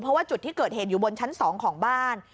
เพราะว่าจุดที่เกิดเหตุอยู่บนชั้น๒ของบ้าน